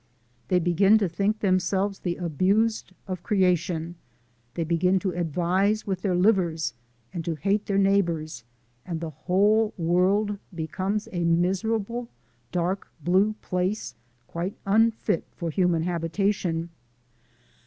They begin to think themselves the abused of creation, they begin to advise with their livers and to hate their neighbours, and the whole world becomes a miserable dark blue place quite unfit for human habitation.